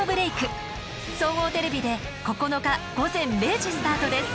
総合テレビで９日午前０時スタートです。